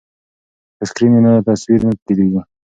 که سکرین وي نو تصویر نه تیریږي.